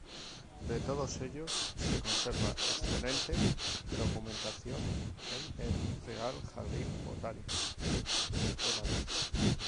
De todos ellos se conserva excelente documentación en el Real Jardín Botánico de Madrid.